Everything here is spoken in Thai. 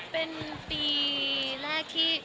เป็นปีแรกที่